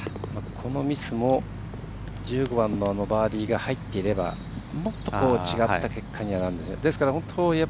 このミスも１５番のバーディーが入っていればもっと、違った結果にはなったんですね。